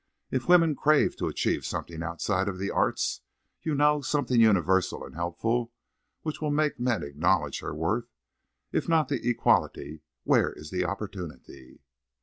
If women crave to achieve something outside of the arts, you know, something universal and helpful which will make men acknowledge her worth, if not the equality, where is the opportunity?"